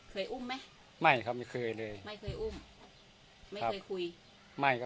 อุ้มไหมไม่ครับไม่เคยเลยไม่เคยอุ้มไม่เคยคุยไม่ก็